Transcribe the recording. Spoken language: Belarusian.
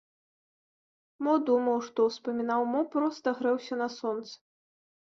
Мо думаў што, успамінаў, мо проста грэўся на сонцы.